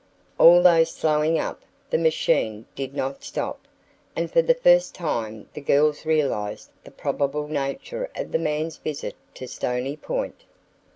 Although slowing up, the machine did not stop, and for the first time the girls realized the probable nature of the man's visit to Stony Point.